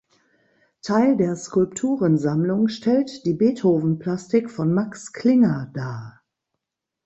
Teil der Skulpturensammlung stellt die Beethoven-Plastik von Max Klinger dar.